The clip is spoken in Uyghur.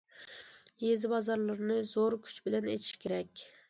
يېزا بازارلىرىنى زور كۈچ بىلەن ئېچىش كېرەك.